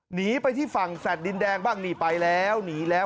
หนีไปที่ฝั่งแฟลต์ดินแดงบ้างนี่ไปแล้วหนีแล้ว